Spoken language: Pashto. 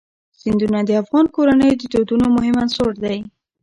سیندونه د افغان کورنیو د دودونو مهم عنصر دی.